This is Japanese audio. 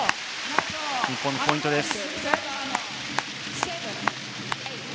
日本のポイントです。